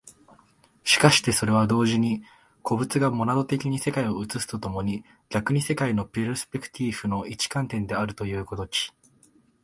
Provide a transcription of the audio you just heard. しかしてそれは同時に個物がモナド的に世界を映すと共に逆に世界のペルスペクティーフの一観点であるという如き、